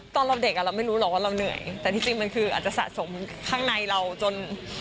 ตอนเราเด็กอ่ะเราไม่รู้หรอกว่าเราเหนื่อยแต่จริงมันคืออาจจะสะสมข้างในเราจน